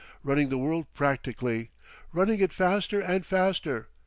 Running the world practically. Running it faster and faster.